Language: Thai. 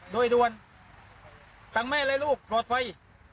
โดยด่วนทั้งแม่และลูกปลอดภัย